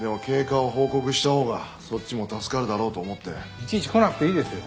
いちいち来なくていいですよ。